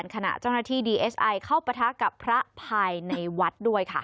ขณะเจ้าหน้าที่ดีเอสไอเข้าปะทะกับพระภายในวัดด้วยค่ะ